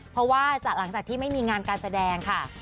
เพราะว่าหลังจากที่ไม่มีงานการแสดงค่ะ